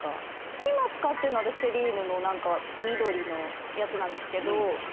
今使ってるの私セリーヌの緑のやつなんですけど。